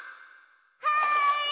はい！